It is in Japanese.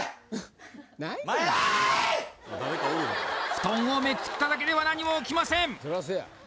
布団をめくっただけでは何も起きません